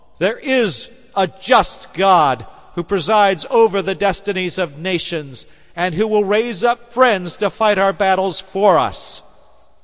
There is a just God who presides over the destinies of nations, and who will raise up friends to fight our battles for us.